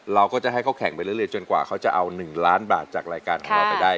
เราก็จะให้เขาแข่งไปเรื่อยจนกว่าเขาจะเอา๑ล้านบาทจากรายการของเราไปได้